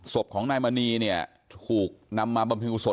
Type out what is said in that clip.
ศพของนายมารีเนี่ยถูกนำมาบับเป็นวุษลที่นี่นะครับ